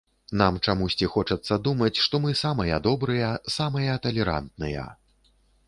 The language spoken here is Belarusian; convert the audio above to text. Нам чамусьці хочацца думаць, што мы самыя добрыя, самыя талерантныя.